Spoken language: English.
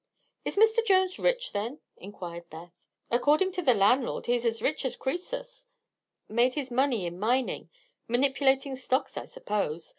"Is Mr. Jones rich, then?" inquired Beth. "According to the landlord he's rich as Croesus. Made his money in mining manipulating stocks, I suppose.